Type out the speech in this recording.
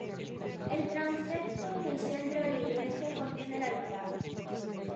El transepto en el centro de la iglesia contiene el altar.